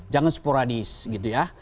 jangan sporadis gitu ya